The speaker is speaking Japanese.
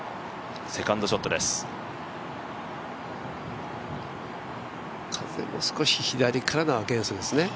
セカンドショットです。